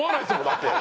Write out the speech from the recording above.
だって。